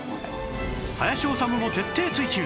林修も徹底追求